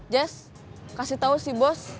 jess kasih tahu si bos